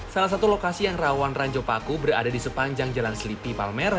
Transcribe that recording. salah satu lokasi yang rawan ranjo paku berada di sepanjang jalan slipi palmer